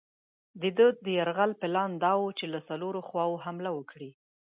د ده د یرغل پلان دا وو چې له څلورو خواوو حمله وکړي.